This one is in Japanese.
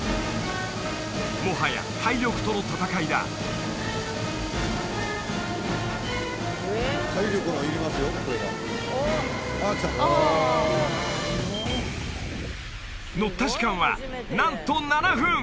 もはや体力との戦いだ乗った時間はなんと７分！